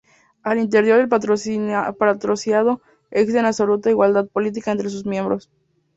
Al interior del patriciado, existía absoluta igualdad política entre sus miembros.